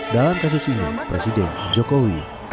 dalam kasus ini presiden jokowi